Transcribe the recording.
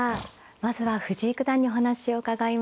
まずは藤井九段にお話を伺います。